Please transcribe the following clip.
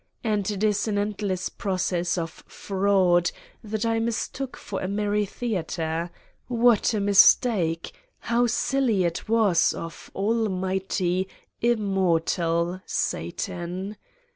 And it is this end less process of fraud that I mistook for a merry theater : what a mistake, how silly it was of t ' al mighty, immortal" ... Satan!